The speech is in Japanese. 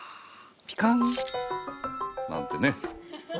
ピカン！なんてね。